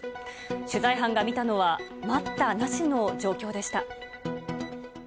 取材班が見たのは待ったなしの状況でした。